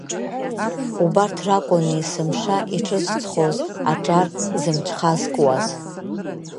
Убарҭ ракәын есымша иҿыцхоз, аҿар зымҽхазкуаз.